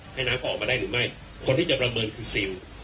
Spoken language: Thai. ให้น้ำเขาออกมาได้หรือไม่คนที่จะประเมินคือซิล